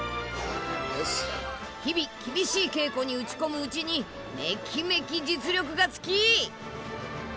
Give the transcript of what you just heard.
日々厳しい稽古に打ち込むうちにメキメキ実力がつき。